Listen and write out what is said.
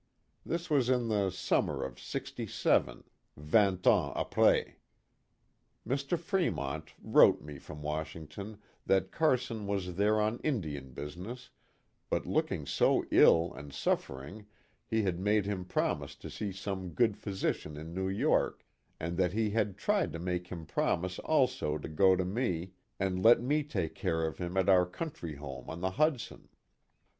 This was in the sum mer of '67 ("vingt ans apres"). Mr. Fre'mont wrote me from Washington that Carson was there on Indian business, but looking so ill and suffering he had made him promise to see some good physician in New York, and thaf he had tried to make him promise also to go to me and let me take care of him at our country home on the Hudson.